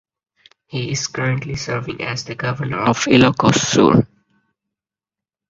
He is currently serving as the Governor of Ilocos Sur.